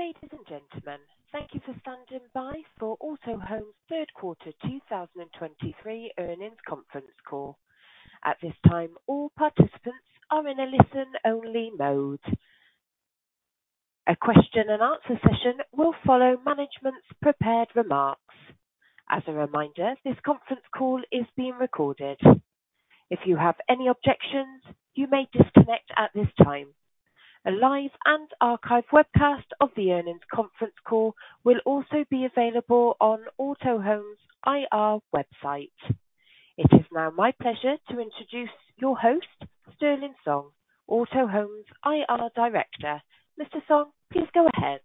Ladies and gentlemen, thank you for standing by for Autohome's third quarter 2023 earnings conference call. At this time, all participants are in a listen-only mode. A question-and-answer session will follow management's prepared remarks. As a reminder, this conference call is being recorded. If you have any objections, you may disconnect at this time. A live and archived webcast of the earnings conference call will also be available on Autohome's IR website. It is now my pleasure to introduce your host, Sterling Song, Autohome's IR Director. Mr. Song, please go ahead.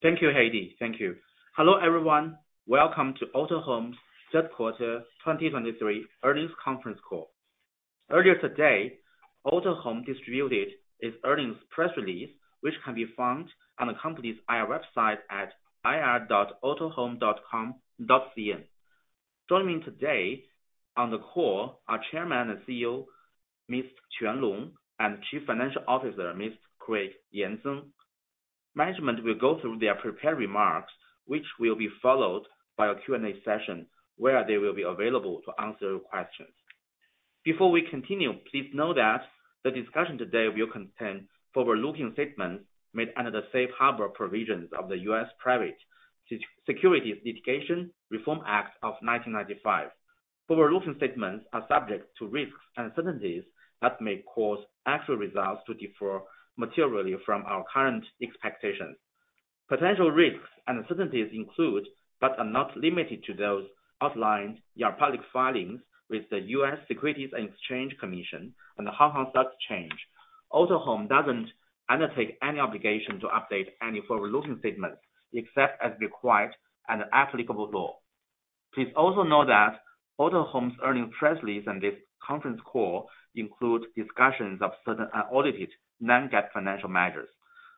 Thank you, Heidi. Thank you. Hello, everyone. Welcome to Autohome's third quarter 2023 earnings conference call. Earlier today, Autohome distributed its earnings press release, which can be found on the company's IR website at ir.autohome.com.cn. Joining me today on the call are Chairman and CEO, Mr. Quan Long, and Chief Financial Officer, Mr. Craig Yan Zeng. Management will go through their prepared remarks, which will be followed by a Q&A session, where they will be available to answer your questions. Before we continue, please know that the discussion today will contain forward-looking statements made under the Safe Harbor Provisions of the U.S. Private Securities Litigation Reform Act of 1995. Forward-looking statements are subject to risks and uncertainties that may cause actual results to differ materially from our current expectations. Potential risks and uncertainties include, but are not limited to, those outlined in our public filings with the U.S. Securities and Exchange Commission and the Hong Kong Stock Exchange. Autohome doesn't undertake any obligation to update any forward-looking statements, except as required under applicable law. Please also know that Autohome's earnings press release and this conference call include discussions of certain unaudited non-GAAP financial measures.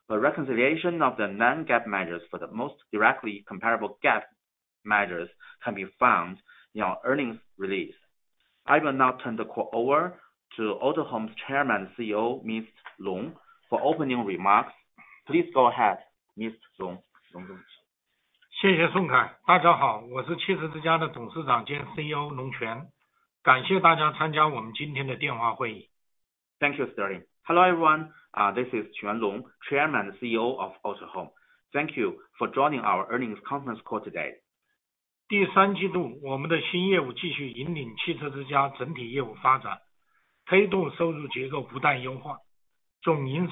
A reconciliation of the non-GAAP measures for the most directly comparable GAAP measures can be found in our earnings release. I will now turn the call over to Autohome's Chairman and CEO, Mr. Long, for opening remarks. Please go ahead, Mr. Long. Thank you, Sterling. Hello, everyone, this is Quan Long, Chairman and CEO of Autohome. Thank you for joining our earnings conference call today. Thank you, Sterling. Hello, everyone. This is Quan Long, Chairman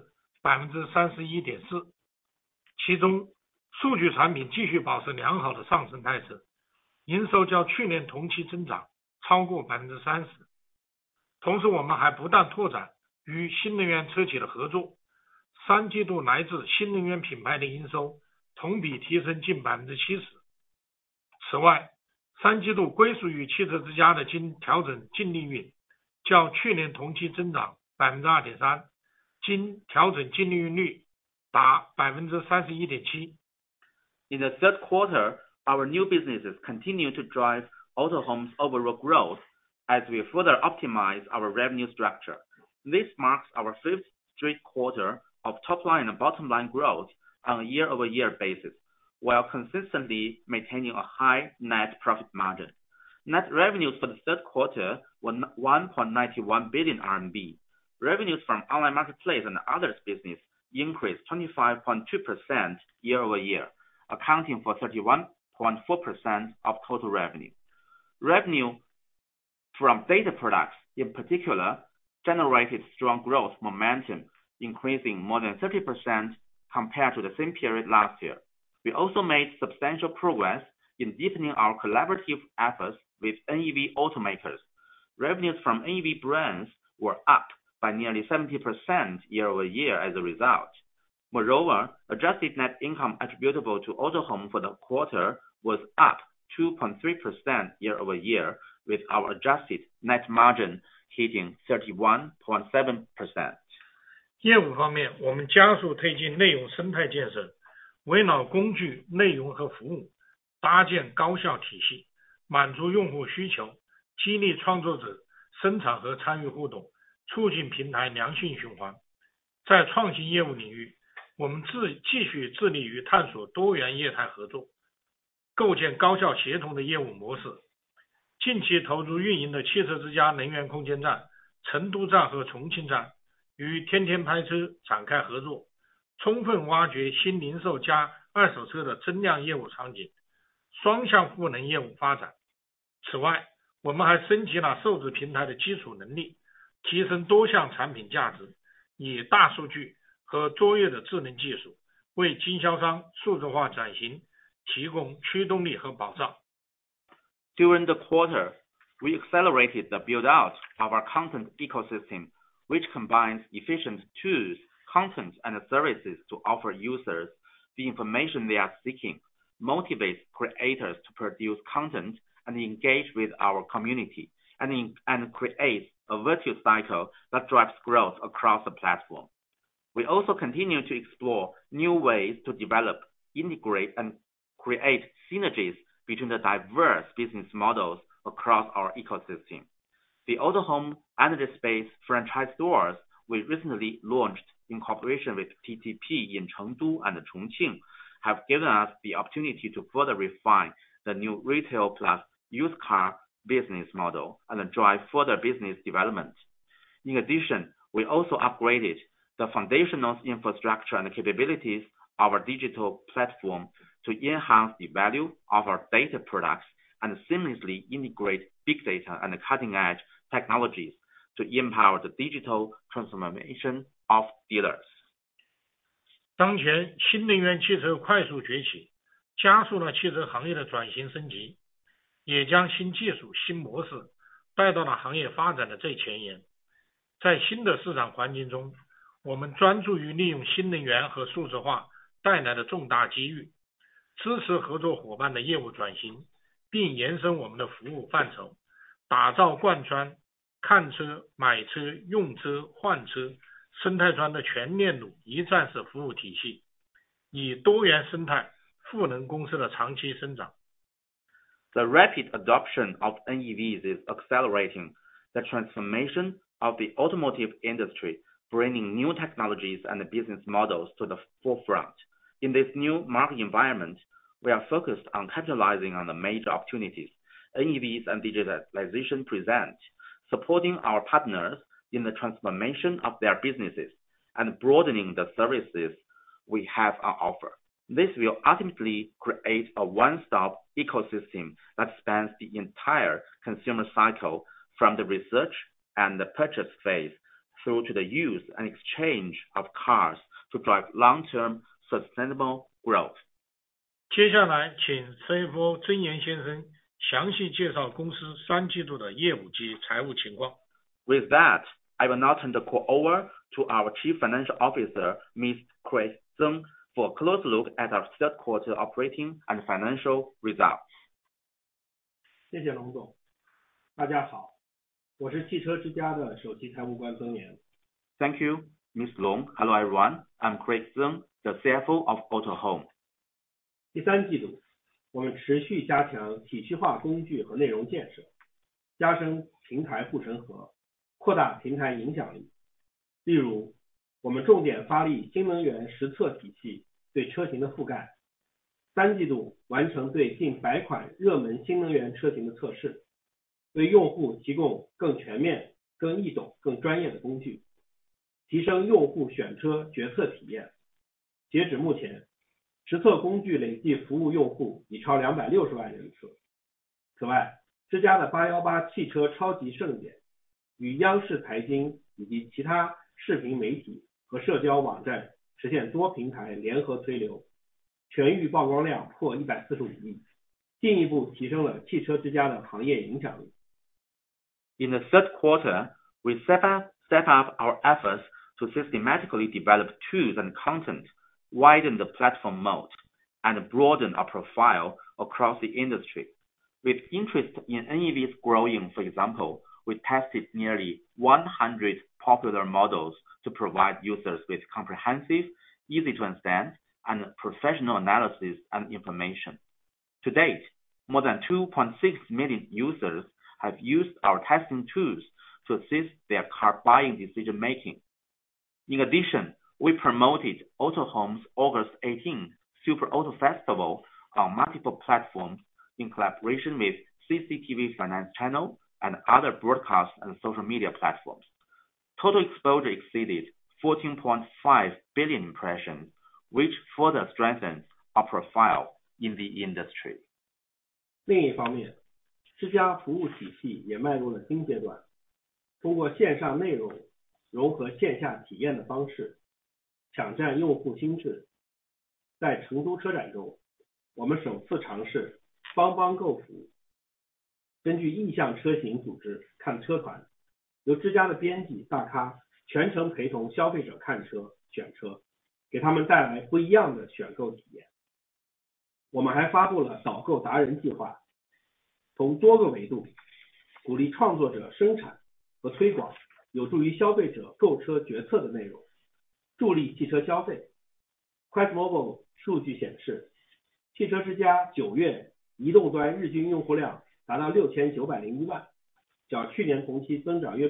and CEO of Autohome. Thank you for joining our earnings conference call today. In the third quarter, our new businesses continue to drive Autohome's overall growth as we further optimize our revenue structure. This marks our fifth straight quarter of top line and bottom line growth on a year-over-year basis, while consistently maintaining a high net profit margin. Net revenues for the third quarter were 1.91 billion RMB. Revenues from online marketplace and others business increased 25.2% year-over-year, accounting for 31.4% of total revenue. Revenue from data products, in particular, generated strong growth momentum, increasing more than 30% compared to the same period last year. We also made substantial progress in deepening our collaborative efforts with NEV automakers. Revenues from NEV brands were up by nearly 70% year-over-year as a result. Moreover, adjusted net income attributable to Autohome for the quarter was up 2.3% year-over-year, with our adjusted net margin hitting During the quarter, we accelerated the build-out of our content ecosystem- which combines efficient tools, content, and services to offer users the information they are seeking, motivates creators to produce content and engage with our community, and creates a virtual cycle that drives growth across the platform. We also continue to explore new ways to develop, integrate, and create synergies between the diverse business models across our ecosystem. The Autohome Energy Space franchise stores we recently launched in cooperation with TTP in Chengdu and Chongqing have given us the opportunity to further refine the new retail plus used car business model and drive further business development. In addition, we also upgraded the foundational infrastructure and capabilities of our digital platform to enhance the value of our data products and seamlessly integrate big data and cutting-edge technologies to empower the digital transformation of dealers. The rapid adoption of NEVs is accelerating the transformation of the automotive industry, bringing new technologies and business models to the forefront. In this new market environment, we are focused on capitalizing on the major opportunities, NEVs and digitalization present, supporting our partners in the transformation of their businesses and broadening the services we have on offer. This will ultimately create a one-stop ecosystem that spans the entire consumer cycle, from the research and the purchase phase, through to the use and exchange of cars to drive long-term sustainable growth. 接下来请CFO曾岩先生详细介绍公司第三季度的业务及财务情况。With that, I will now turn the call over to our Chief Financial Officer, Mr. Craig Zeng, for a close look at our third quarter operating and financial results. 谢谢龙总。大家好，我是汽车之家的首席财务官曾岩。Thank you, Mr. Long. Hello, everyone. I'm Craig Zeng, the CFO of Autohome. In the third quarter, we step up, step up our efforts to systematically develop tools and content, widen the platform moat, and broaden our profile across the industry. With interest in NEVs growing, for example, we tested nearly 100 popular models to provide users with comprehensive, easy-to-understand, and professional analysis and information. To date, more than 2.6 million users have used our testing tools to assist their car buying decision making. In addition, we promoted Autohome's August Eighteenth Super Auto Festival on multiple platforms in collaboration with CCTV Finance Channel and other broadcast and social media platforms. Total exposure exceeded 14.5 billion impressions, which further strengthens our profile in the industry. At the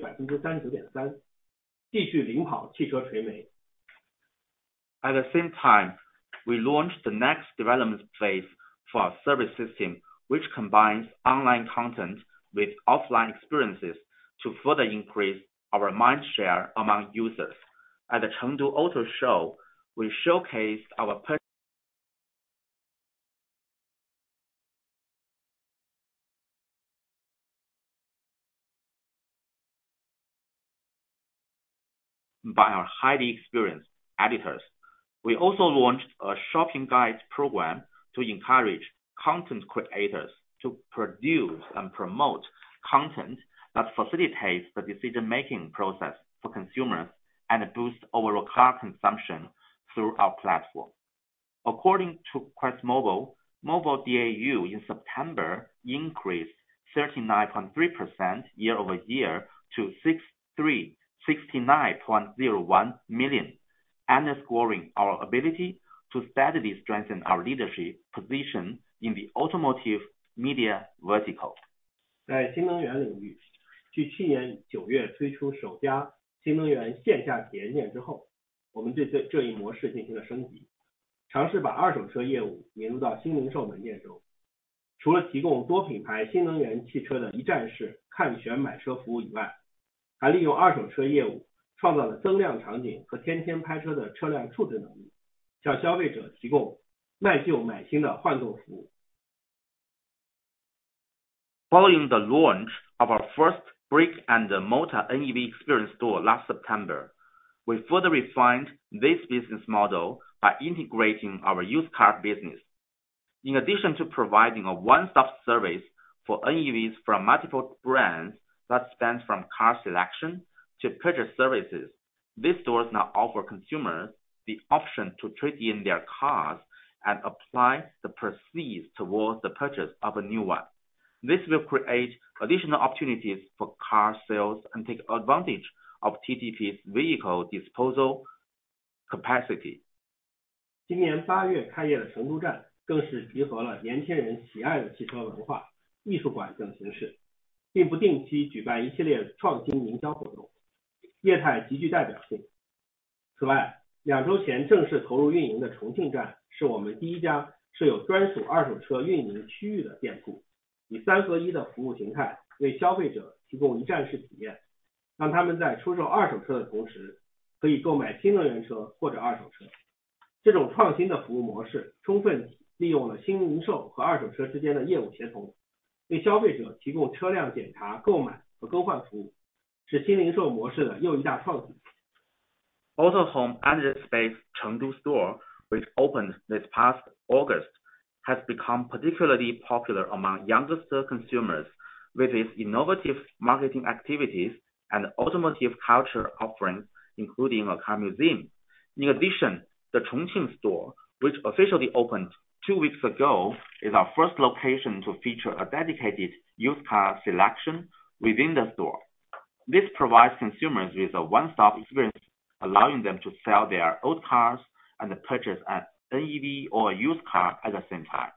same time, we launched the next development phase for our service system, which combines online content with offline experiences, to further increase our mind share among users. At the Chengdu Auto Show, we showcased our personal...... by our highly experienced editors. We also launched a shopping guides program to encourage content creators to produce and promote content that facilitates the decision-making process for consumers, and boosts overall car consumption through our platform. According to QuestMobile, mobile DAU in September increased 39.3% year-over-year to 69.01 million, underscoring our ability to steadily strengthen our leadership position in the automotive media vertical. 在新能源领域，继去年九月推出首家新能源线下体验店之后，我们对这一模式进行了升级，尝试把二手车业务引入到新零售门店中。除了提供多品牌新能源汽车的一站式看选买车服务以外，还利用二手车业务创造了增量场景和天天拍车的车辆处置能力，向消费者提供卖旧买新的换购服务。Following the launch of our first brick-and-mortar NEV experience store last September, we further refined this business model by integrating our used car business. In addition to providing a one-stop service for NEVs from multiple brands that span from car selection to purchase services, these stores now offer consumers the option to trade in their cars and apply the proceeds towards the purchase of a new one. This will create additional opportunities for car sales and take advantage of TTP's vehicle disposal capacity. Autohome Energy Space Chengdu store, which opened this past August, has become particularly popular among youngster consumers, with its innovative marketing activities and automotive culture offerings, including a car museum. In addition, the Chongqing store, which officially opened two weeks ago, is our first location to feature a dedicated used car selection within the store. This provides consumers with a one-stop experience, allowing them to sell their old cars and purchase an NEV or a used car at the same time.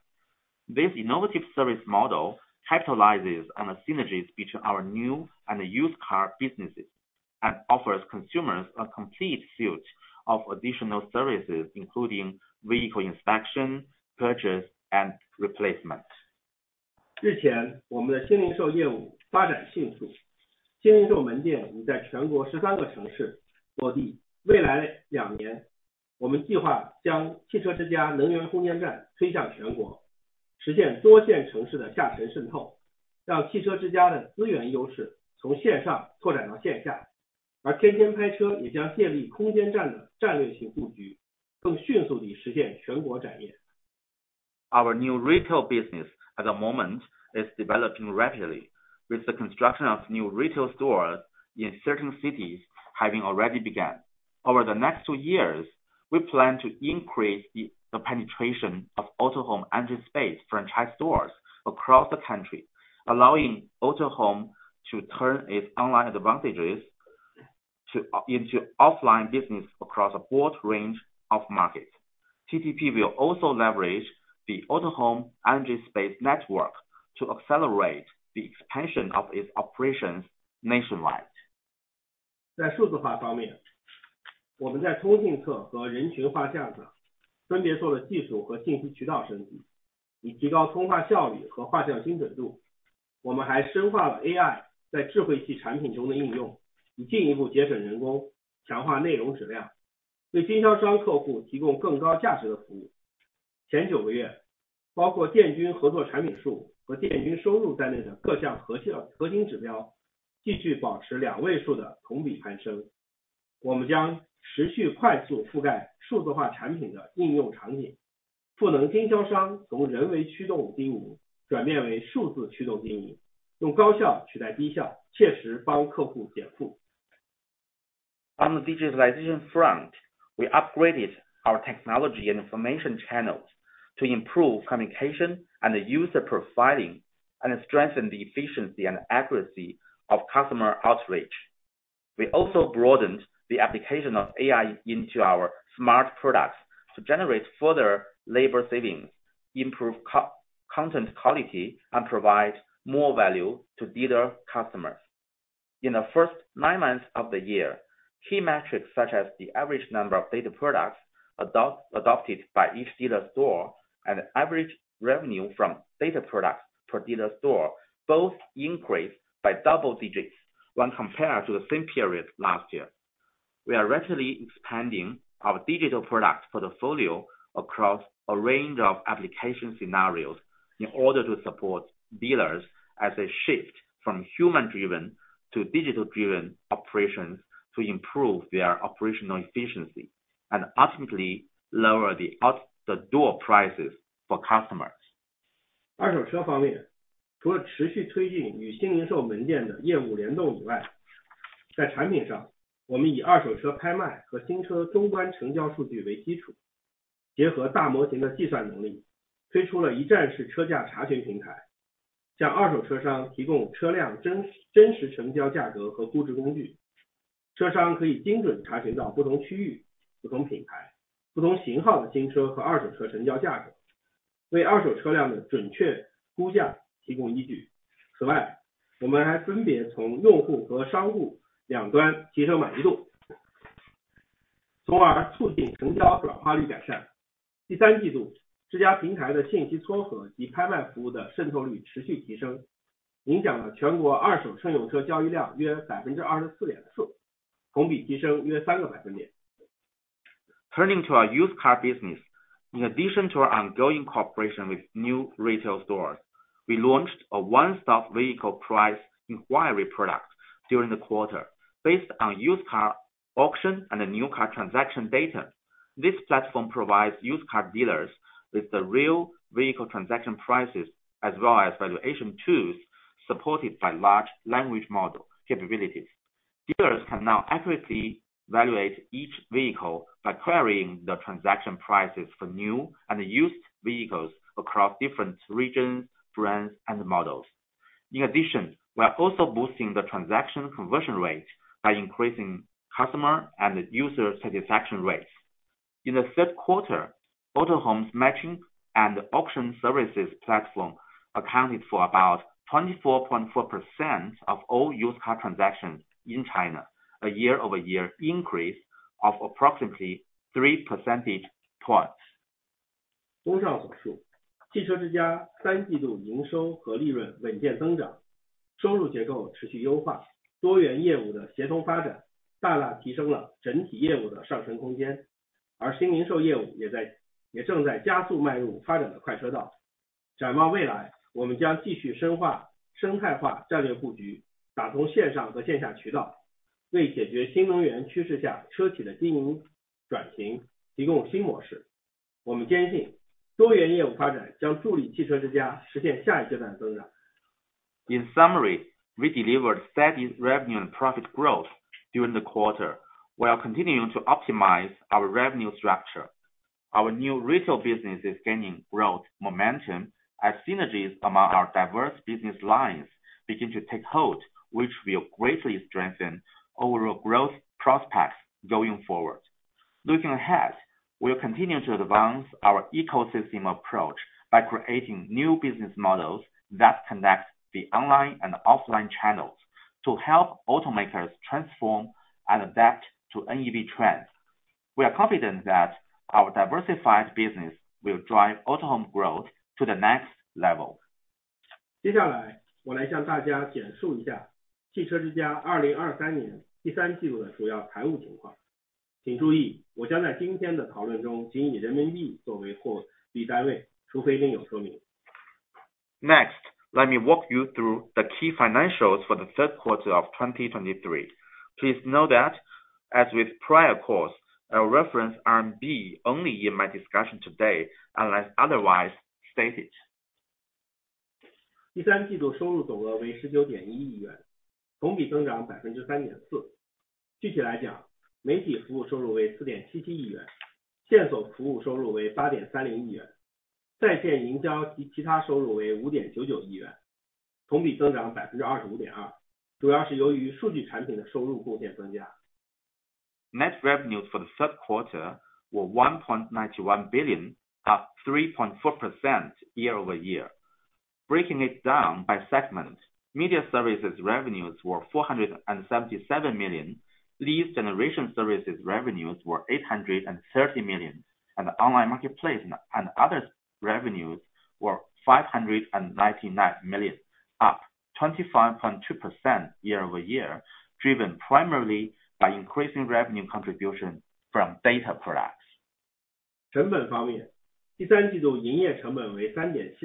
This innovative service model capitalizes on the synergies between our new and used car businesses, and offers consumers a complete suite of additional services, including vehicle inspection, purchase, and replacement. 日前，我们的新零售业务发展迅速，新零售门店已在全国13个城市落地。未来2年，我们计划将汽车之家能源空间站推向全国，实现多线城市的下沉渗透，让汽车之家的资源优势从线上扩展到线下。而天天拍车也将建立空间站的战略性布局，更迅速地实现全国战略。Our new retail business at the moment is developing rapidly, with the construction of new retail stores in certain cities having already begun. Over the next two years, we plan to increase the penetration of Autohome Energy Space franchise stores across the country, allowing Autohome to turn its online advantages into offline business across a broad range of markets. TTP will also leverage the Autohome Energy Space network to accelerate the expansion of its operations nationwide. 在数字化方面，我们在通讯册和人群画像上，分别做了技术和信息渠道升级，以提高通话效率和画像精准度。我们还深化了AI在智慧器产品中的应用，以进一步节省人工，强化内容质量，对经销商客户提供更高价值的的服务。前九个月，包括店均合作产品数和店均收入在内的各项核销的核心指标继续保持两位数的同比攀升。我们将继续快速覆盖数字化产品的应用场景，赋能经销商从人为驱动经营转变为数字驱动经营，用高效取代低效，切实帮客户减负。On the digitalization front, we upgraded our technology and information channels to improve communication and user profiling, and strengthen the efficiency and accuracy of customer outreach. We also broadened the application of AI into our smart products to generate further labor savings, improve content quality, and provide more value to dealer customers. In the first nine months of the year, key metrics, such as the average number of data products adopted by each dealer store and average revenue from data products per dealer store, both increased by double digits when compared to the same period last year. We are rapidly expanding our digital product portfolio across a range of application scenarios... in order to support dealers as they shift from human-driven to digital-driven operations to improve their operational efficiency and ultimately lower the out-the-door prices for customers. Turning to our used car business. In addition to our ongoing cooperation with new retail stores, we launched a one-stop vehicle price inquiry product during the quarter based on used car auctions and new car transaction data. This platform provides used car dealers with the real vehicle transaction prices as well as valuation tools supported by large language model capabilities. Dealers can now accurately evaluate each vehicle by querying the transaction prices for new and used vehicles across different regions, brands, and models. In addition, we are also boosting the transaction conversion rate by increasing customer and user satisfaction rates. In the third quarter, Autohome matching and auction services platform accounted for about 24.4% of all used car transactions in China, a year-over-year increase of approximately three percentage points. 综上所述，汽车之家第三季度营收和利润稳健增长，收入结构持续优化，多元业务的协同发展大大提升了整体业务的上升空间，而新零售业务也在，也正在加速迈入发展的快车道。展望未来，我们将继续深化生态化战略布局，打通线上和线下渠道，为解决新能源趋势下车企的经营转型提供新模式。我们坚信，多元业务发展将助力汽车之家实现下一阶段的增长。In summary, we delivered steady revenue and profit growth during the quarter, while continuing to optimize our revenue structure. Our new retail business is gaining growth momentum as synergies among our diverse business lines begin to take hold, which will greatly strengthen overall growth prospects going forward. Looking ahead, we will continue to advance our ecosystem approach by creating new business models that connect the online and offline channels to help automakers transform and adapt to NEV trends. We are confident that our diversified business will drive Autohome growth to the next level. 接下来，我来向大家简述一下汽车之家2023年第三季度的主要财务情况。请注意，我将在今天的讨论中仅以人民币作为货币单位，除非另有说明。Next, let me walk you through the key financials for the third quarter of 2023. Please note that, as with prior quarters, I reference RMB only in my discussion today, unless otherwise stated. 第三季度收入总额为CNY 1,910,000,000，同比增长3.4%。具体来讲，媒体服务收入为CNY 477,000,000，线索服务收入为CNY 830,000,000，在线营销及其他收入为CNY 599,000,000，同比增长25.2%，主要是由于数据产品的收入贡献增加。Net revenues for the third quarter were 1.91 billion, up 3.4% year-over-year. Breaking it down by segment, media services revenues were 477 million, leads generation services revenues were 830 million, and online marketplace and others revenues were 599 million, up 25.2% year-over-year, driven primarily by increasing revenue contribution from data products. 成本方面，第三季度营业成本为 CNY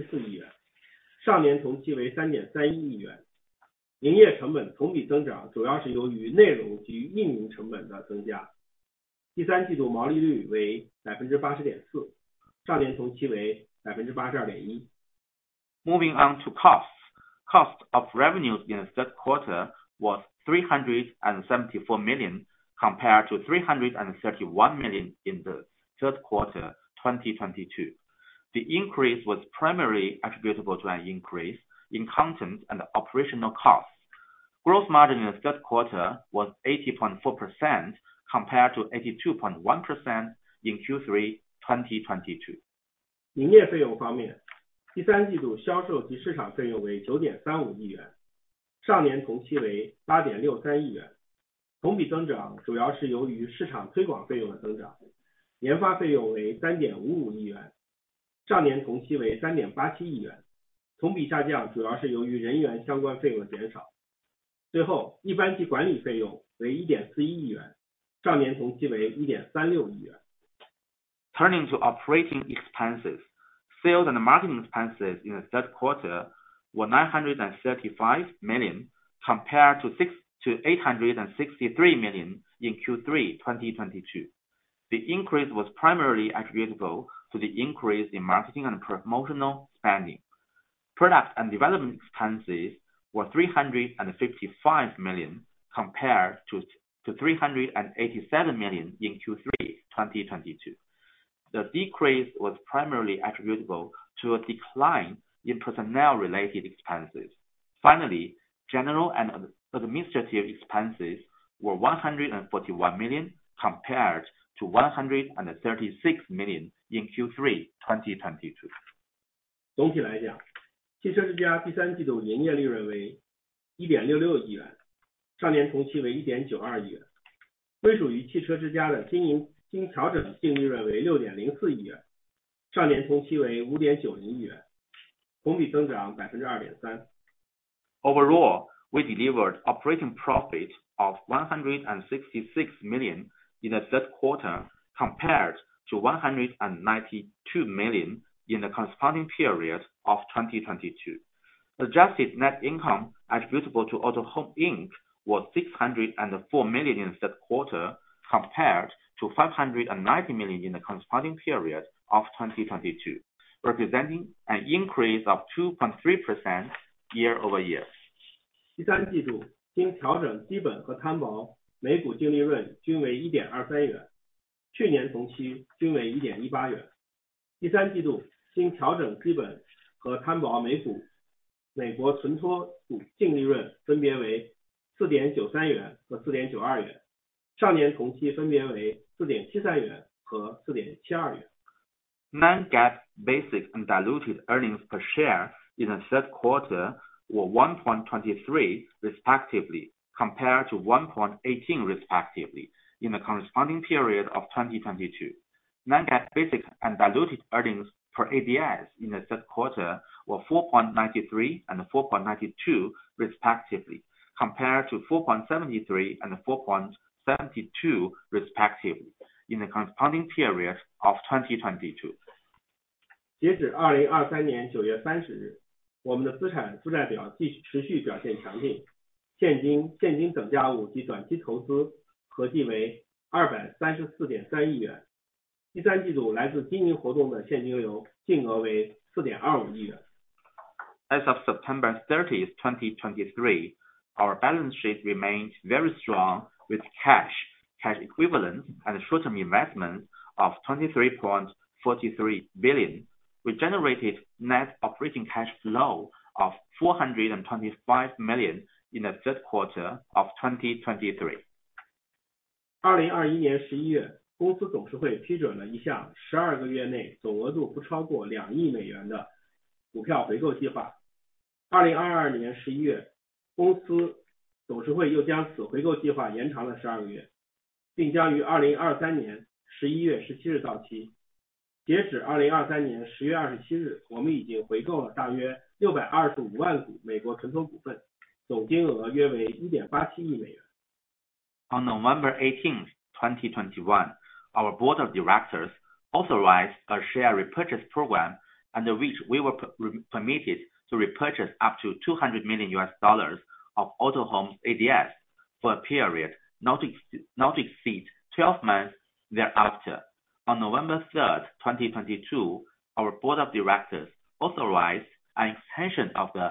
3.74 亿元，去年同期为 CNY 3.31 亿元，营业成本同比增长，主要是由于内容及运营成本的增加。第三季度毛利率为 80.4%，去年同期为 82.1%。Moving on to costs. Cost of revenues in the third quarter was 374 million, compared to 331 million in the third quarter 2022. The increase was primarily attributable to an increase in content and operational costs. Gross margin in the third quarter was 80.4%, compared to 82.1% in Q3 2022. 营业费用方面，第三季度销售及市场费用为9.35亿元，去年同期为8.63亿元，同比增长，主要是由于市场推广费用的增长。研发费用为3.55亿元，去年同期为3.87亿元，同比下降，主要是由于人员相关费用减少。... 最后，一般及管理费用为1.4亿元，去年同期为1.36亿元。Turning to operating expenses, sales and marketing expenses in the third quarter were 935 million, compared to 683 million in Q3 2022. The increase was primarily attributable to the increase in marketing and promotional spending. Product and development expenses were 355 million, compared to three hundred and eighty-seven million in Q3 2022. The decrease was primarily attributable to a decline in personnel-related expenses. Finally, general and administrative expenses were 141 million, compared to 136 million in Q3 2022. 总体来讲，汽车之家第三季度营业利润为 CNY 166 million，上年同期为 CNY 192 million。归属于汽车之家的经营经调整净利润为 CNY 604 million，上年同期为 CNY 590 million，同比增长 2.3%。Overall, we delivered operating profit of 166 million in the third quarter, compared to 192 million in the corresponding period of 2022. Adjusted net income attributable to Autohome Inc. was 604 million in the third quarter, compared to 590 million in the corresponding period of 2022, representing an increase of 2.3% year-over-year. 第三季度，经调整基本和摊薄每股净利润均为CNY 0.123亿元，去年同期均为CNY 0.118亿元。第三季度，经调整基本和摊薄每股美国存托股净利润分别为CNY 4.93元和CNY 4.92元，去年同期分别为CNY 4.73元和CNY 4.72元。Non-GAAP basic and diluted earnings per share in the third quarter were $1.23, respectively, compared to $1.18 respectively, in the corresponding period of 2022. Non-GAAP basic and diluted earnings per ADS in the third quarter were $4.93 and $4.92 respectively, compared to $4.73 and $4.72 respectively, in the corresponding period of 2022. As of September 30, 2023, our balance sheet continued to remain strong, with cash, cash equivalents, and short-term investments totaling CNY 23.43 billion. In the third quarter, net cash flow from operating activities was CNY 425 million. As of September 30, 2023, our balance sheet remained very strong, with cash, cash equivalents and short-term investments of 23.43 billion. We generated net operating cash flow of 425 million in the third quarter of 2023. In November 2021, the company's board of directors approved a share repurchase program with a total amount of no more than $200 million within 12 months. In November 2022, the company's board of directors extended this repurchase program by 12 months, and it will expire on November 17, 2023. As of October 27, 2023, we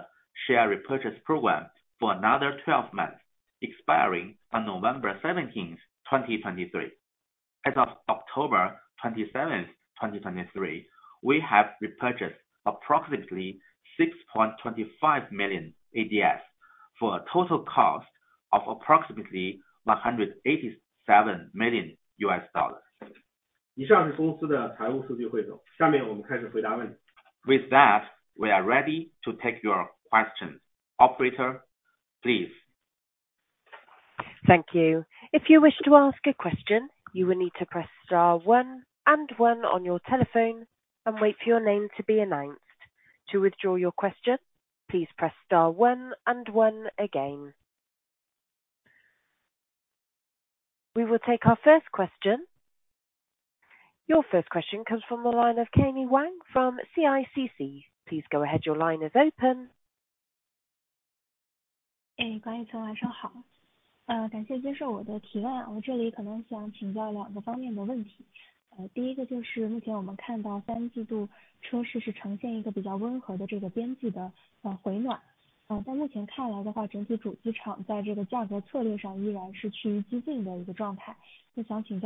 have repurchased approximately 6,250,000 American Depositary Shares, with a total amount of about $187 million. On November 18, 2021, our Board of Directors authorized a share repurchase program under which we were re-permitted to repurchase up to $200 million of Autohome ADS for a period not to exceed 12 months thereafter. On November 3, 2022, our Board of Directors authorized an extension of the share repurchase program for another 12 months, expiring on November 17, 2023. As of October 27, 2023, we have repurchased approximately 6.25 million ADS for a total cost of approximately $187 million. 以上是公司的财务数据汇总，下面我们开始回答问题。With that, we are ready to take your questions. Operator, please. Thank you. If you wish to ask a question, you will need to press star one and one on your telephone and wait for your name to be announced. To withdraw your question, please press star one and one again. We will take our first question. Your first question comes from the line of Kai Wang from CICC. Please go ahead, your line is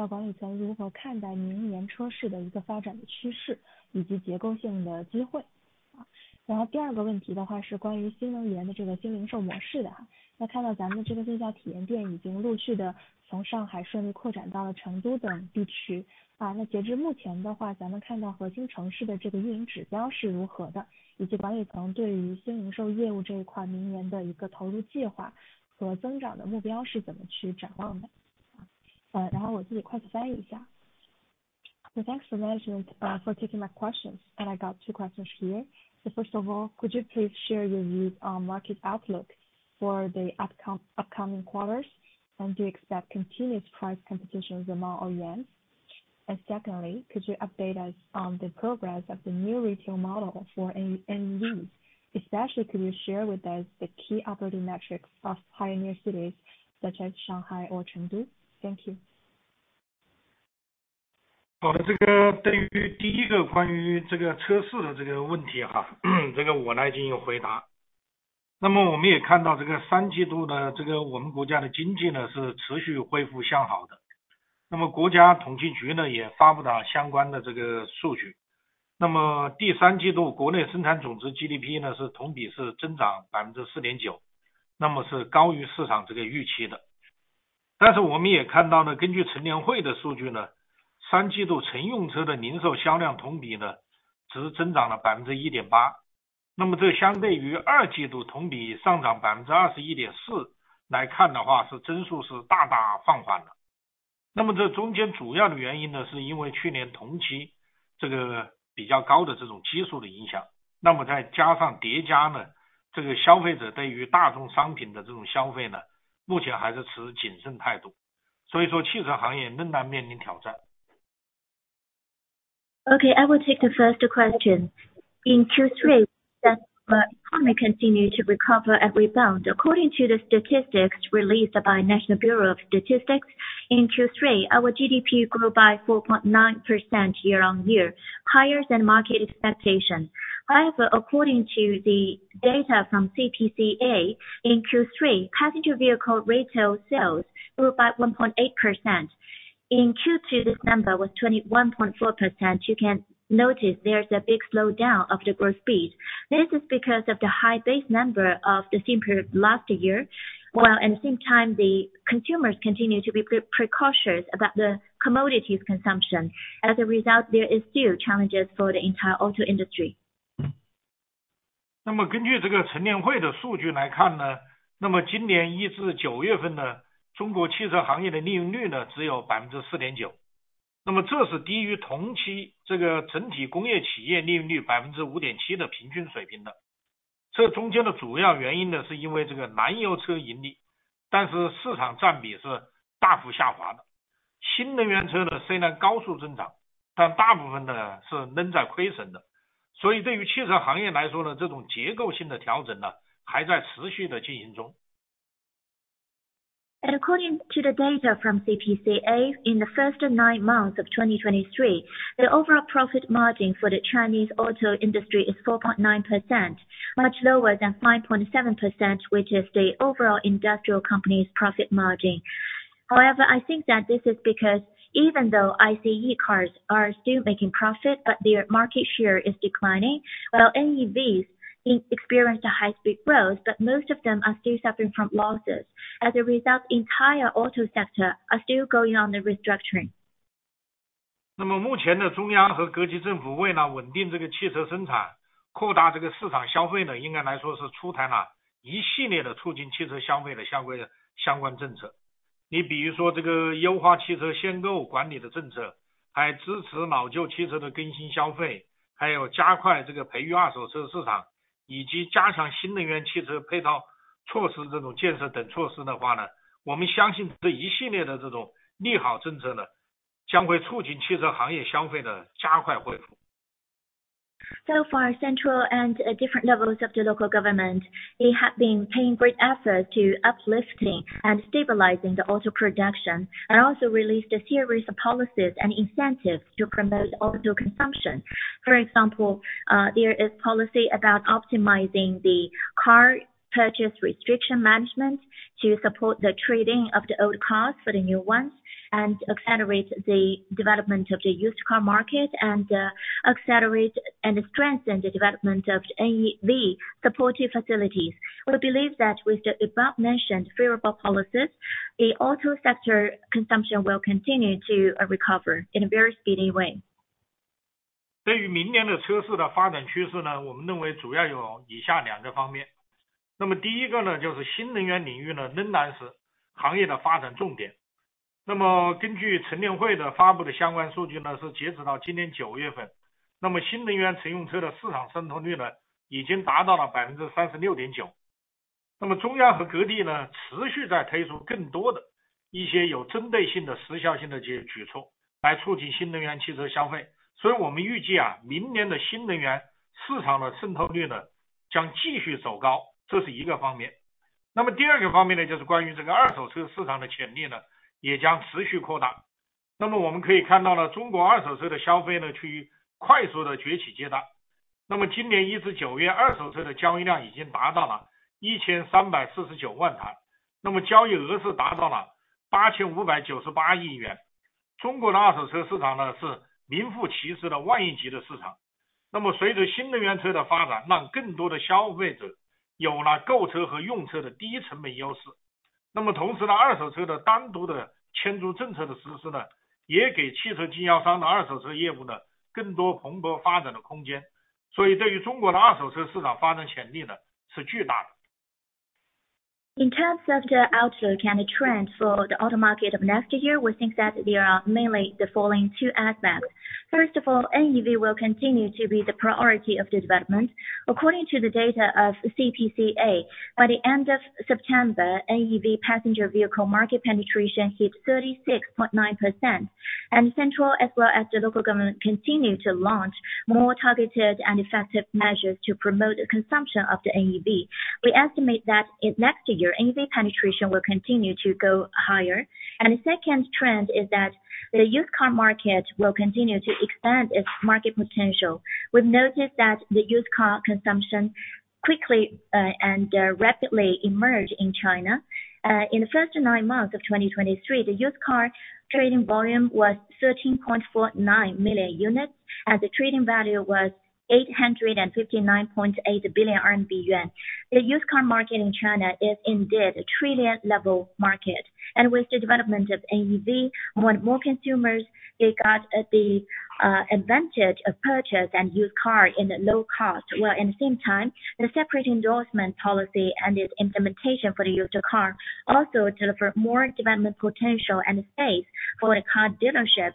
open. 管理层晚上好，感谢接受我的提问。我这里可能想请教两个方面的问题。第一个就是目前我们看到三季度车市是呈现一个比较温和的边际的回暖。目前看来，整体主机厂在这个价格策略上依然是趋于激进的一个状态。想请教管理层如何看待明年车市的一个发展的趋势，以及结构性的机会？第二个问题的话，是关于新能源的这个新零售模式的哈。看到咱们这个线下体验店已经陆续地从上海顺利扩展到了成都等地区，截止目前的话，咱们看到核心城市的这个运营指标是如何的，以及管理层对于新零售业务这一块，明年的一个投入计划和增长的目标是怎么去展望的？然后我自己快速翻译一下。Thanks for management for taking my questions. And I got two questions here. The first of all, could you please share your view on market outlook for the upcoming quarters? And do you expect continuous price competitions among OEM? And secondly, could you update us on the progress of the new retail model for NEV? Especially, could you share with us the key operating metrics of pioneer cities such as Shanghai or Chengdu? Thank you. Okay, I will take the first question. In Q3, that the economy continue to recover and rebound according to the statistics released by National Bureau of Statistics in Q3, our GDP grew by 4.9% year-on-year, higher than market expectation. However, according to the data from CPCA, in Q3, passenger vehicle retail sales grew by 1.8%. In Q2, this number was 21.4%, you can notice there is a big slowdown of the growth speed. This is because of the high base number of the same period last year, while at the same time, the consumers continue to be precautious about the commodities consumption. As a result, there is still challenges for the entire auto industry. According to the data from CPCA, in the first nine months of 2023, the overall profit margin for the Chinese auto industry is 4.9%, much lower than 5.7%, which is the overall industrial companies profit margin. However, I think that this is because even though ICE cars are still making profit, but their market share is declining, while NEVs experienced a high speed growth, but most of them are still suffering from losses. As a result, entire auto sector are still going on the restructuring. So far, central and different levels of the local government, they have been paying great efforts to uplifting and stabilizing the auto production, and also released a series of policies and incentives to promote auto consumption. For example, there is policy about optimizing the car purchase restriction management to support the trading of the old cars for the new ones, and accelerate the development of the used car market and, accelerate and strengthen the development of NEV supportive facilities. We believe that with the above mentioned favorable policies, the auto sector consumption will continue to recover in a very speedy way. In terms of the outlook and the trend for the auto market of next year, we think that there are mainly the following two aspects. First of all, NEV will continue to be the priority of the development. According to the data of CPCA, by the end of September, NEV passenger vehicle market penetration hit 36.9%, and central, as well as the local government, continue to launch more targeted and effective measures to promote the consumption of the NEV. We estimate that in next year, NEV penetration will continue to go higher. And the second trend is that the used car market will continue to expand its market potential. We've noticed that the used car consumption quickly and rapidly emerge in China. In the first nine months of 2023, the used car trading volume was 13.49 million units, and the trading value was 859.8 billion yuan. The used car market in China is indeed a trillion-level market, and with the development of NEV, when more consumers, they got at the advantage of purchase and used car in the low cost, while at the same time, the separate endorsement policy and its implementation for the used car also deliver more development potential and space for the car dealership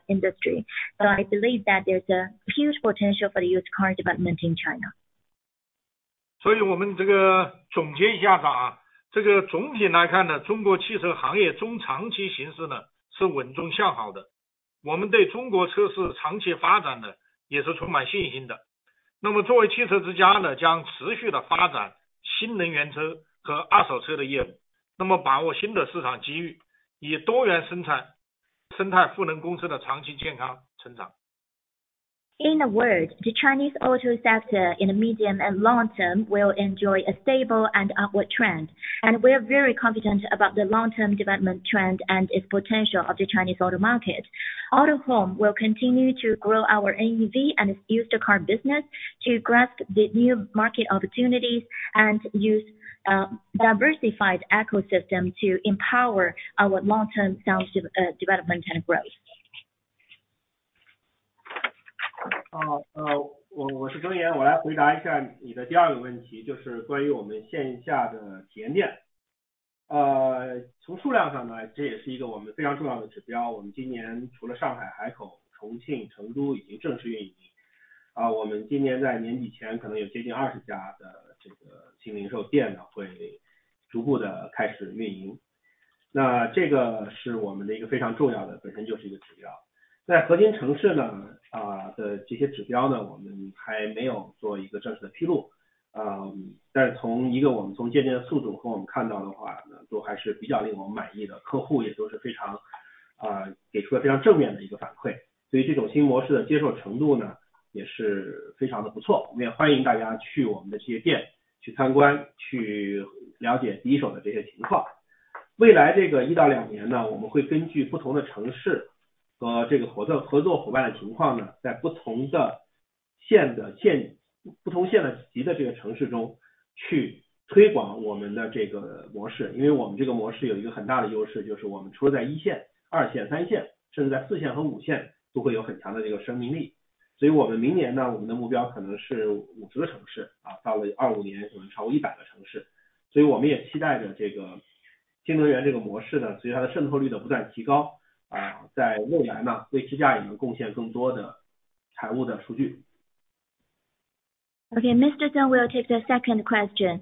industry. So I believe that there's a huge potential for the used car development in China. 所以我们这个总结一下吧，这个总体来看呢，中国汽车行业中长期形势呢，是稳中向好的。我们对中国车市长期发展呢，也是充满信心的。那么作为汽车之家呢，将持续地发展新能源汽车和二手车的业务，那么把握新的市场机遇，以多元化生产，生态赋能公司的长期健康成长。In a word, the Chinese auto sector in the medium and long term will enjoy a stable and upward trend, and we're very confident about the long-term development trend and its potential of the Chinese auto market. Autohome will continue to grow our NEV and used car business to grasp the new market opportunities and use diversified ecosystem to empower our long-term sound development and growth. I am Craig Yan Zeng. I will answer your second question, which is about our offline experience stores. In terms of quantity, this is also a very important metric for us. This year, in addition to Shanghai, Haikou, Chongqing, and Chengdu, which are already officially operating, we may have close to 20 of these new retail stores gradually starting operations by the end of this year. This is a very important metric for us in itself. In core cities, we have not made an official disclosure of these metrics yet, but from the speed of our store openings and what we have seen, we are quite satisfied. Customers have also given us very positive feedback. The acceptance level of this new model is also very good. We welcome everyone to visit our stores and get first-hand information. In the next one to two years, we will promote this model in different cities and at different city tiers according to the situation with our partners, because this model has a big advantage. In addition to tier-one, tier-two, and tier-three cities, it will also have strong vitality even in tier-four and tier-five cities. Our target for next year may be 50 cities, and by 2025, it may exceed 100 cities. We also look forward to this new energy model, as its penetration rate continues to increase, contributing more financial data to Autohome in the future. Okay, Mr. Zeng will take the second question.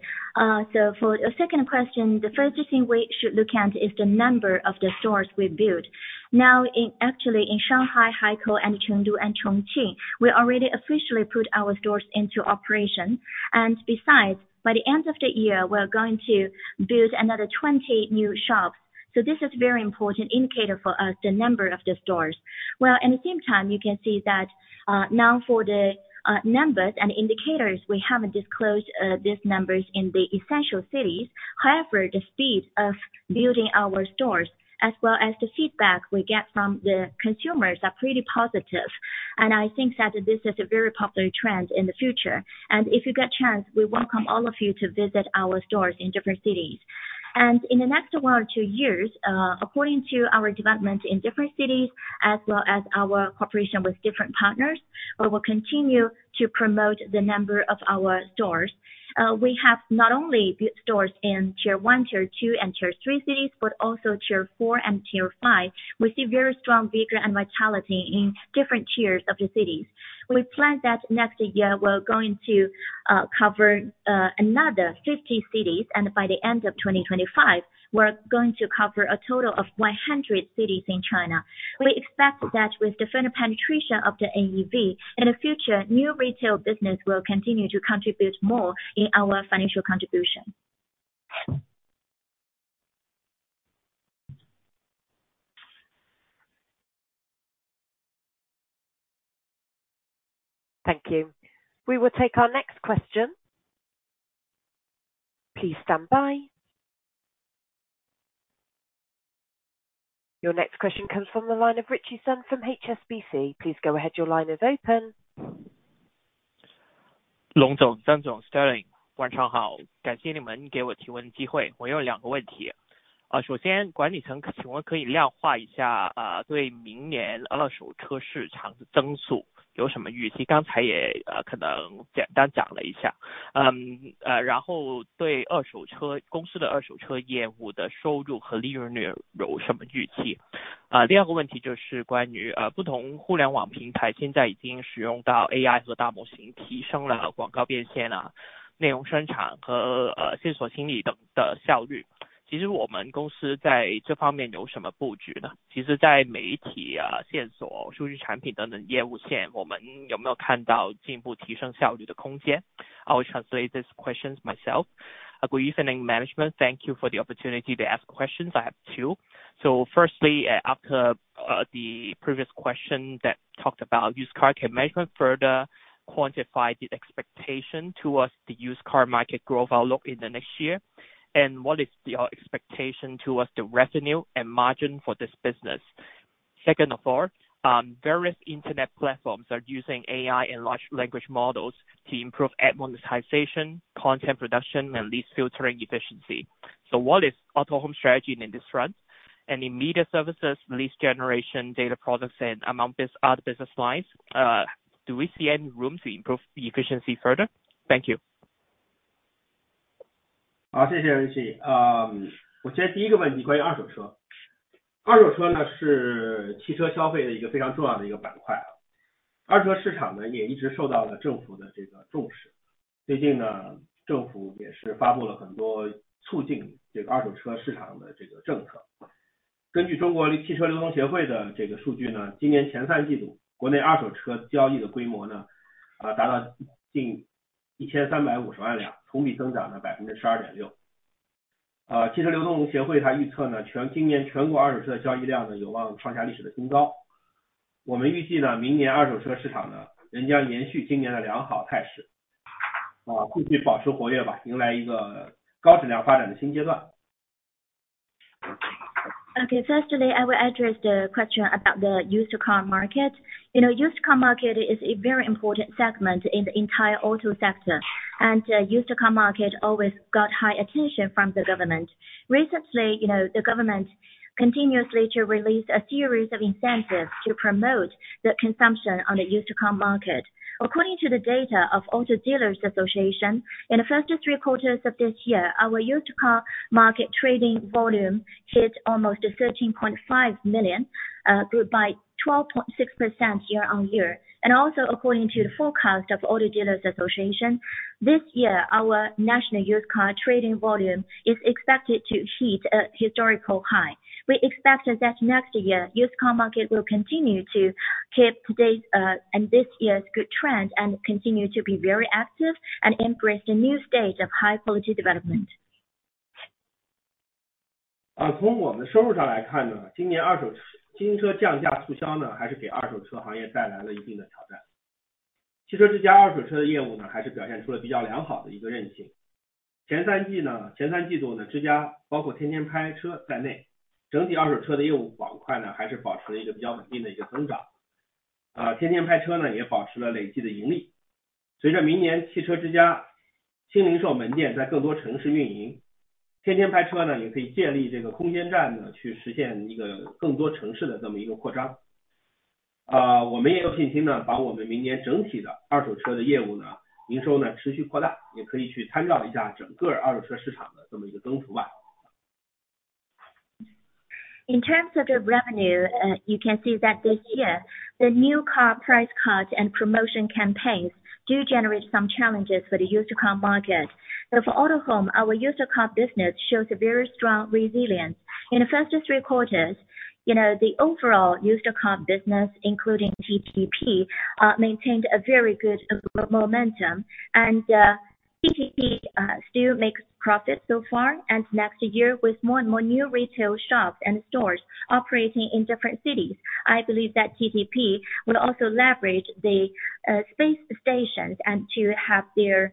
So for the second question, the first thing we should look at is the number of the stores we built. Now, actually in Shanghai, Haikou and Chengdu and Chongqing, we already officially put our stores into operation. And besides, by the end of the year, we're going to build another 20 new shops. So this is very important indicator for us, the number of the stores. Well, at the same time, you can see that, now for the numbers and indicators, we haven't disclosed these numbers in the essential cities. However, the speed of building our stores, as well as the feedback we get from the consumers, are pretty positive. And I think that this is a very popular trend in the future. And if you get chance, we welcome all of you to visit our stores in different cities. In the next 1 or 2 years, according to our development in different cities, as well as our cooperation with different partners, we will continue to promote the number of our stores. We have not only built stores in Tier 1, Tier 2, and Tier 3 cities, but also Tier 4 and Tier 5. We see very strong vigor and vitality in different tiers of the cities. We plan that next year we're going to cover another 50 cities, and by the end of 2025, we're going to cover a total of 100 cities in China. We expect that with different penetration of the NEV, in the future, new retail business will continue to contribute more in our financial contribution. Thank you. We will take our next question. Please stand by. Your next question comes from the line of Ritchie Sun from HSBC. Please go ahead. Your line is open. 龙总，张总，Sterling，晚上好，感谢你们给我提问机会。我有两个问题。...首先管理层请问可以量化一下，对明年二手车市场的增速有什么预期？刚才也，可能简单讲了一下。然后对二手车公司的二手车业务的收入和利润率有什么预期？第二个问题就是关于不同互联网平台现在已经使用到AI和大模型，提升了广告变现，内容生产和线索清理等的效率，其实我们公司在这一方面有什么布局呢？其实在媒体、线索、数据产品等等业务线，我们有没有看到进一步提升效率的空间？I will translate these questions myself. Good evening, management. Thank you for the opportunity to ask questions. I have two. So firstly, after the previous question that talked about used car, can management further quantify the expectation towards the used car market growth outlook in the next year? And what is your expectation towards the revenue and margin for this business? Second of all, various internet platforms are using AI and large language models to improve ad monetization, content production, and leads filtering efficiency. So what is Autohome strategy in this front? And in media services, leads generation, data products and among other business lines, do we see any room to improve the efficiency further? Thank you. Okay, firstly, I will address the question about the used car market. You know, used car market is a very important segment in the entire auto sector, and used car market always got high attention from the government. Recently, you know, the government continuously to release a series of incentives to promote the consumption on the used car market. According to the data of Auto Dealers Association, in the first three quarters of this year, our used car market trading volume hit almost 13.5 million, grew by 12.6% year-on-year. Also according to the forecast of Auto Dealers Association, this year, our national used car trading volume is expected to hit a historical high. We expected that next year, used car market will continue to keep today's and this year's good trend, and continue to be very active and embrace the new stage of high quality development. In terms of the revenue, you can see that this year, the new car price cuts and promotion campaigns do generate some challenges for the used car market. But for Autohome, our used car business shows a very strong resilience. In the first three quarters, you know, the overall used car business, including TTP, maintained a very good momentum, and TTP still makes profit so far, and next year, with more and more new retail shops and stores operating in different cities, I believe that TTP will also leverage the space stations and to have their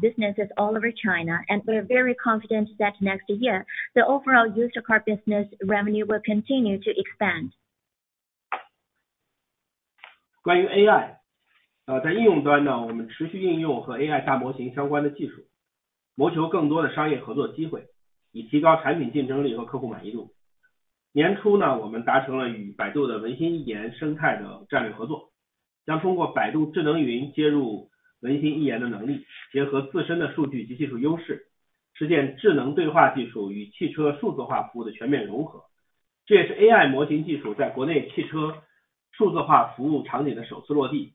businesses all over China. And we are very confident that next year, the overall used car business revenue will continue to expand. 关于 AI，在应用端呢，我们持续应用和 AI 大模型相关的技术，谋求更多的商业合作机会，以提高产品竞争力和客户满意度。年初呢，我们达成了与百度的文心一言生态的战略合作，将通过百度智能云接入文心一言的能力，结合自身的数据及技术优势，实现智能对话技术与汽车数字化服务的全面融合，这也是 AI 模型技术在国内汽车数字化服务场景的首次落地。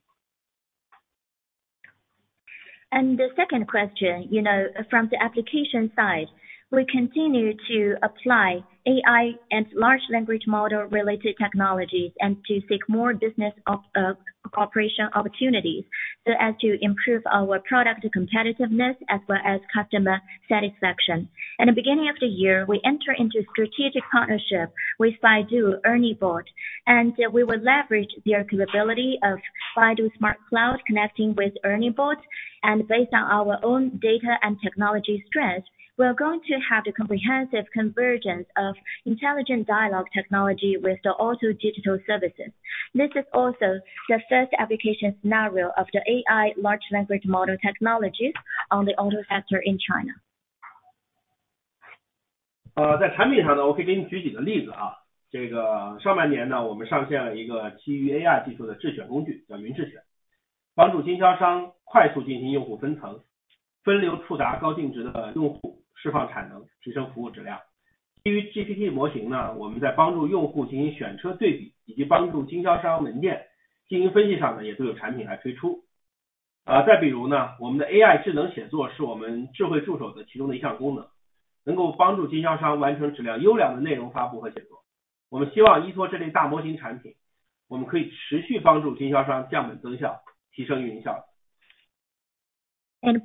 And the second question, you know, from the application side, we continue to apply AI and large language model related technologies and to seek more business cooperation opportunities, so as to improve our product competitiveness as well as customer satisfaction. In the beginning of the year, we enter into strategic partnership with Baidu Ernie Bot, and we will leverage their capability of Baidu Smart Cloud connecting with Ernie Bot and based on our own data and technology strengths, we are going to have the comprehensive convergence of intelligent dialogue technology with the auto digital services... This is also the first application scenario of the AI large language model technologies on the auto sector in China.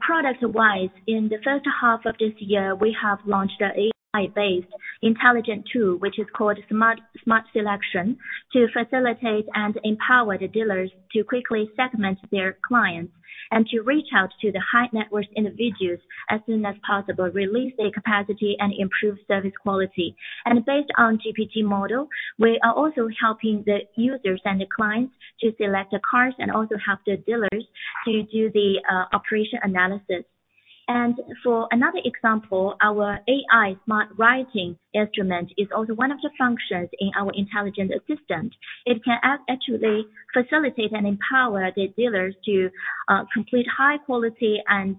Product wise, in the first half of this year, we have launched an AI based intelligent tool, which is called Smart, Smart Selection, to facilitate and empower the dealers to quickly segment their clients and to reach out to the high net worth individuals as soon as possible, release their capacity and improve service quality. And based on GPT model, we are also helping the users and the clients to select the cars and also help the dealers to do the operation analysis. And for another example, our AI smart writing instrument is also one of the functions in our intelligent assistant. It can actually facilitate and empower the dealers to complete high quality and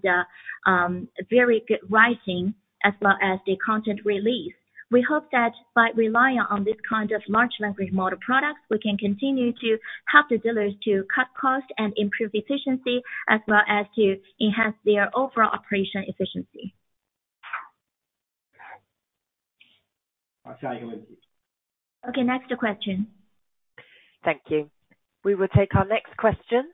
very good writing as well as the content release. We hope that by relying on this kind of large language model products, we can continue to help the dealers to cut costs and improve efficiency, as well as to enhance their overall operation efficiency. 好，下一个问题。Okay, next question. Thank you. We will take our next question.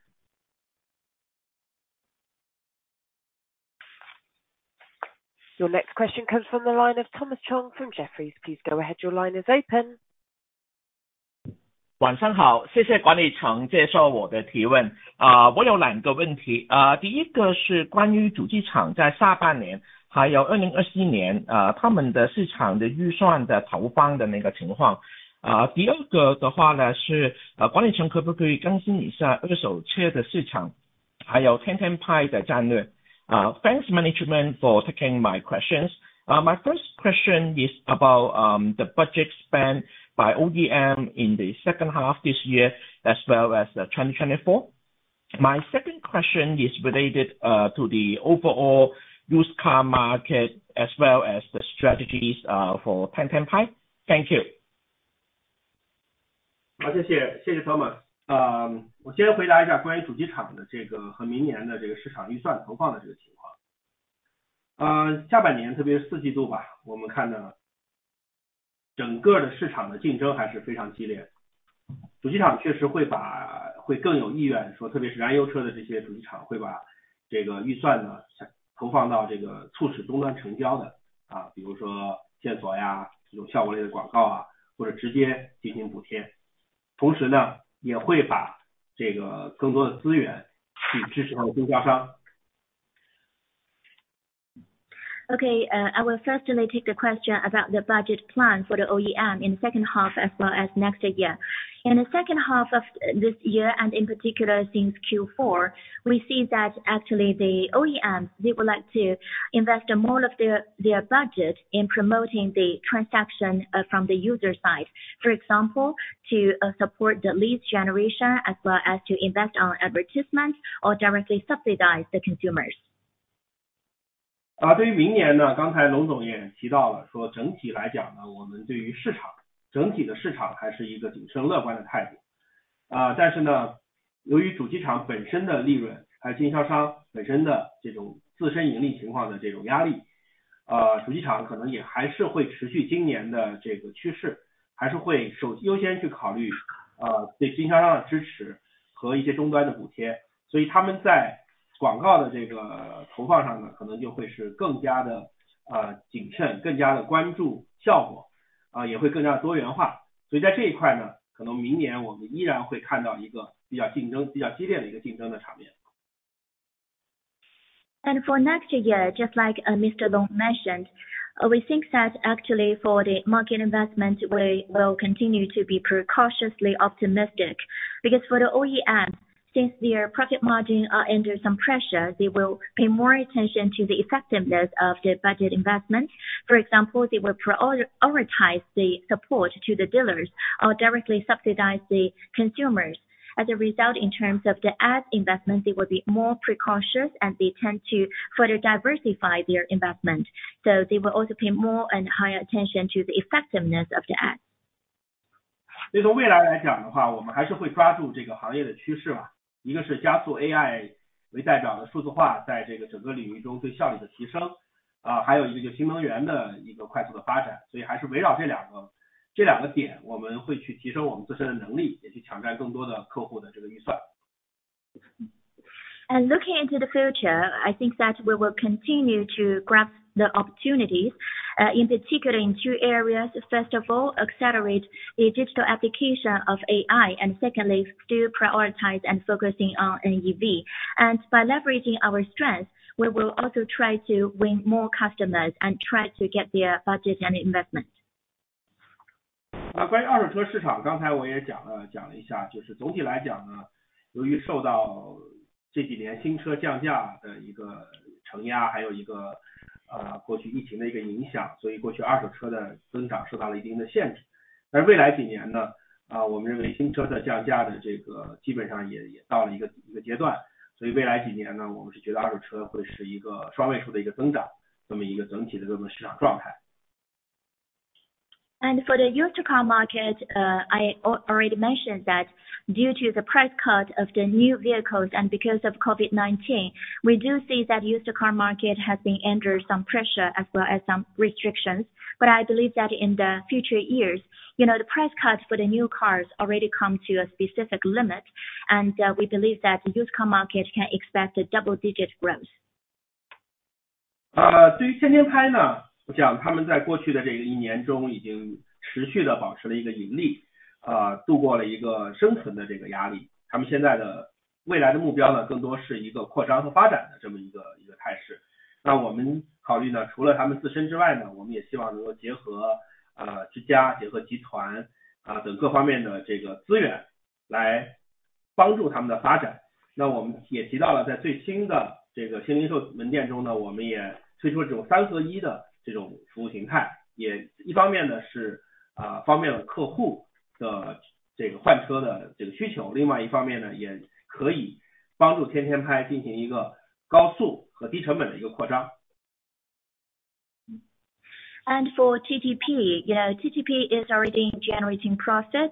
Your next question comes from the line of Thomas Chong from Jefferies. Please go ahead. Your line is open. Thanks, management, for taking my questions. My first question is about the budget spent by OEM in the second half this year as well as 2024. My second question is related to the overall used car market as well as the strategies for Tiantian Paiche. Thank you. 好，谢谢，谢谢Thomas。我先回答一下关于主机厂的这个和明年的这个市场预算投放的这个情况。下半年，特别是四季度，我们看到整个的市场竞争还是非常激烈，主机厂确实会把，会更有意愿，特别是燃油车的这些主机厂，会把这个预算投放到了这个促使终端成交的，比如说线索，有效果类的广告，或者直接进行补贴。同时，也会把这个更多的资源去支持到经销商。Okay, I will first take the question about the budget plan for the OEM in second half as well as next year. In the second half of this year, and in particular since Q4, we see that actually the OEMs, they would like to invest more of their budget in promoting the transaction from the user side, for example, to support the lead generation as well as to invest on advertisement or directly subsidize the consumers. And for next year, just like Mr. Long mentioned, we think that actually for the market investment, we will continue to be cautiously optimistic. Because for the OEM, since their profit margin are under some pressure, they will pay more attention to the effectiveness of their budget investment. For example, they will prioritize the support to the dealers or directly subsidize the consumers. As a result, in terms of the ad investment, they will be more cautious and they tend to further diversify their investment, so they will also pay more and higher attention to the effectiveness of the ad. 所以从未来来讲的话，我们还是会抓住这个行业的趋势吧。一个是加速AI为代表的数字化，在这个整个领域中对效率的提升，还有一个就是新能源的一个快速的发展。所以还是围绕这两，这两个点，我们会去提升我们自身的能 力，也去抢占更多的客户这个预算。Looking into the future, I think that we will continue to grasp the opportunities, in particular in two areas. First of all, accelerate the digital application of AI, and secondly, still prioritize and focusing on NEV. By leveraging our strengths, we will also try to win more customers and try to get their budget and investment. For the used car market, I already mentioned that due to the price cut of the new vehicles and because of COVID-19, we do see that used car market has been under some pressure as well as some restrictions. But I believe that in the future years, you know, the price cuts for the new cars already come to a specific limit, and we believe that the used car market can expect a double digit growth. And for TTP, yeah, TTP is already in generating process.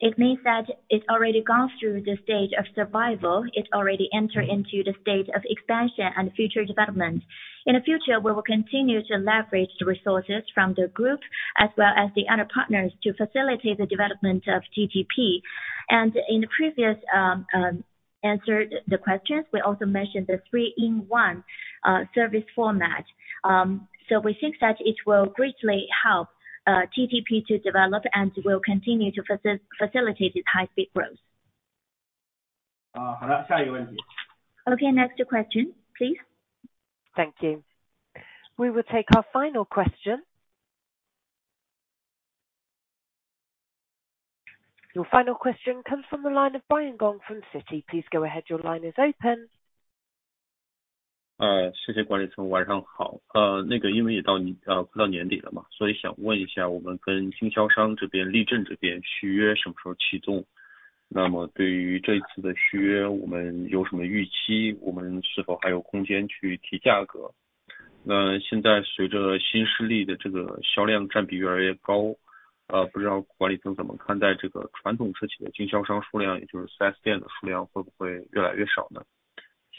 It means that it's already gone through the stage of survival, it's already enter into the stage of expansion and future development. In the future, we will continue to leverage the resources from the group as well as the other partners to facilitate the development of TTP. And in the previous answered the questions, we also mentioned the three in one service format, so we think that it will greatly help TTP to develop and will continue to facilitate its high speed growth. 啊，好了，下一个问题。Okay, next question please。Thank you. We will take our final question. Your final question comes from the line of Brian Gong from Citi. Please go ahead, your line is open. Thank you, management, good evening. That, because it's already the end of the year, I want to ask, when will we start the contract renewal with dealers for this generation? What are our expectations for this renewal? Do we still have room to raise our price? Now, with the rising proportion of new auto sales from new NEVs, I wonder how management views the number of dealers from traditional OEMs. Will the number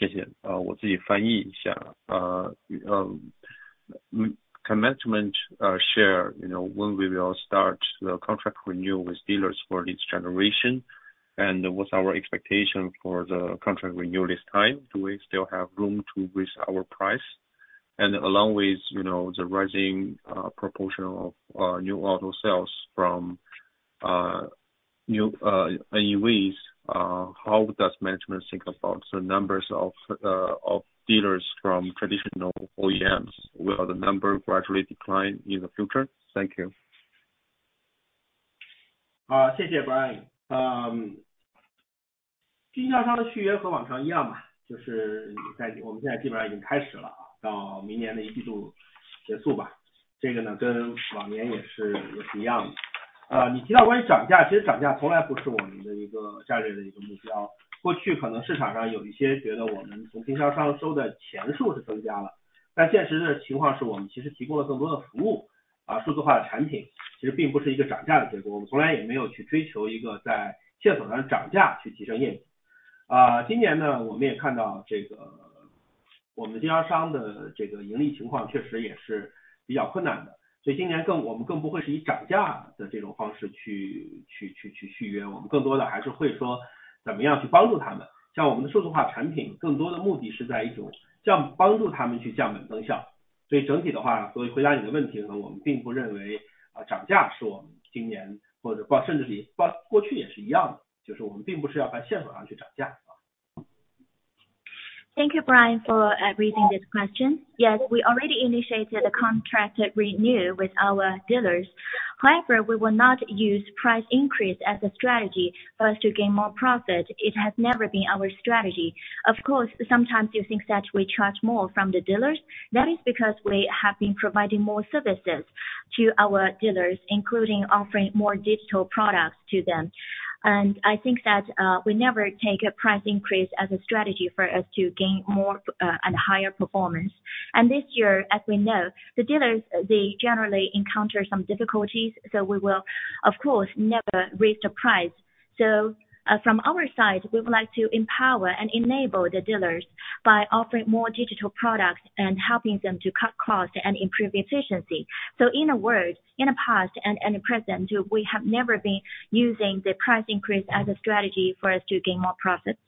of 4S stores gradually decline in the future? Thank you. I will translate myself. Can management share, you know, when we will start the contract renew with dealers for this generation, and what's our expectation for the contract renew this time? Do we still have room to raise our price? And along with, you know, the rising proportion of new auto sales from new NEVs, how does management think about the numbers of dealers from traditional OEMs? Will the number gradually decline in the future? Thank you. Thank you, Brian, for reading this question. Yes, we already initiated a contract renew with our dealers. However, we will not use price increase as a strategy for us to gain more profit. It has never been our strategy. Of course, sometimes you think that we charge more from the dealers, that is because we have been providing more services to our dealers, including offering more digital products to them. And I think that we never take a price increase as a strategy for us to gain more and higher performance. And this year, as we know, the dealers they generally encounter some difficulties, so we will of course never raise the price. So from our side, we would like to empower and enable the dealers by offering more digital products and helping them to cut costs and improve efficiency. So in a word, in the past and present, we have never been using the price increase as a strategy for us to gain more profits.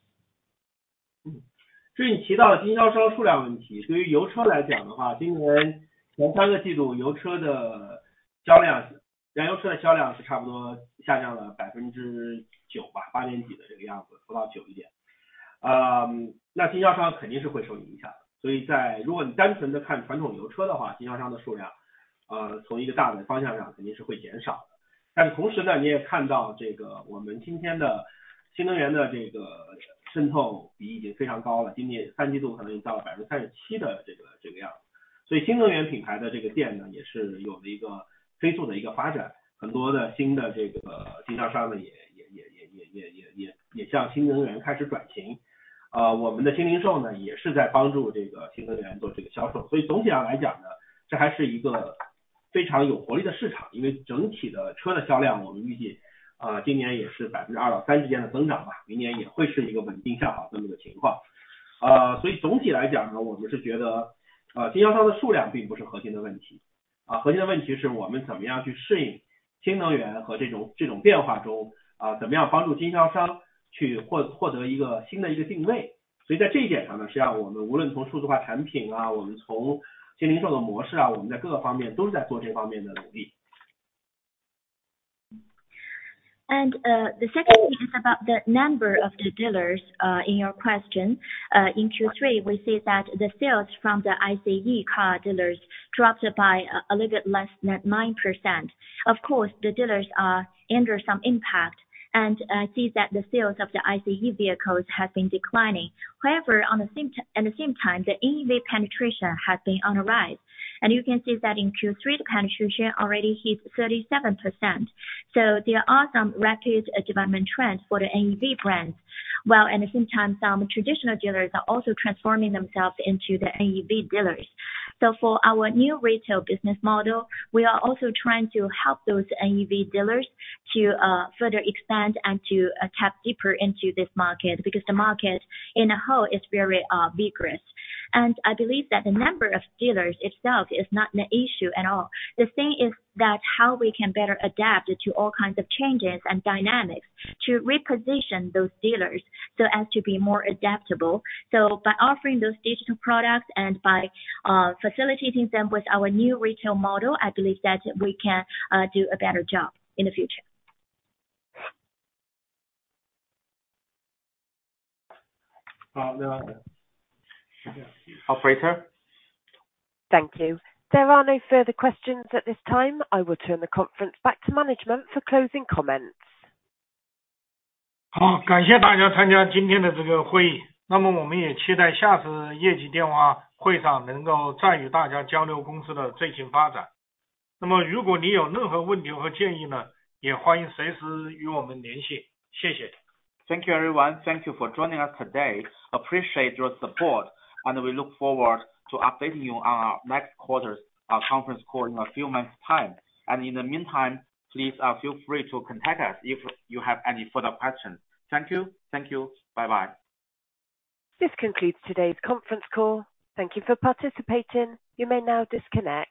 And the second thing is about the number of the dealers. In your question, in Q3, we see that the sales from the ICE car dealers dropped by a little bit less than 9%. Of course, the dealers are under some impact, and I see that the sales of the ICE vehicles have been declining. However, on the same, at the same time, the NEV penetration has been on a rise, and you can see that in Q3, the penetration already hit 37%. So there are some rapid development trends for the NEV brands, while at the same time some traditional dealers are also transforming themselves into the NEV dealers. So for our new retail business model, we are also trying to help those NEV dealers to, further expand and to, tap deeper into this market, because the market in a whole is very, vigorous. And I believe that the number of dealers itself is not an issue at all. The thing is that how we can better adapt to all kinds of changes and dynamics to reposition those dealers so as to be more adaptable. So by offering those digital products and by, facilitating them with our new retail model, I believe that we can, do a better job in the future. 啊，没有了。Operator。Thank you. There are no further questions at this time. I will turn the conference back to management for closing comments. 好，感谢大家参加今天的这个会议，那么我们也期待下次业绩电话会上能够再与大家交流公司的最新发展。那么如果你有任何问题和建议呢，也欢迎随时与我们联系，谢谢。Thank you, everyone. Thank you for joining us today. Appreciate your support, and we look forward to updating you on our next quarter's conference call in a few months' time. In the meantime, please feel free to contact us if you have any further questions. Thank you, thank you, bye bye. This concludes today's conference call. Thank you for participating. You may now disconnect.